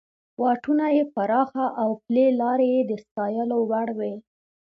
واټونه یې پراخه او پلې لارې یې د ستایلو وړ وې.